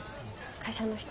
会社の人？